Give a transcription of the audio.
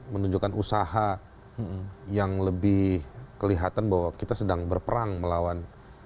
menunjukkan usaha yang lebih kelihatan bahwa kita sedang berperang melawan